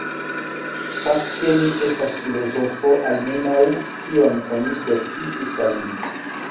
Fakte mi estas filozofo, almenaŭ tion oni certigis al mi.